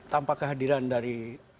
tanpa kehadiran dari